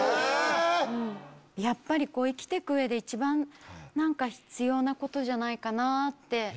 やっぱり生きて行く上で一番必要なことじゃないかなって。